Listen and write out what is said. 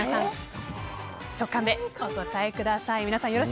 直感でお答えください。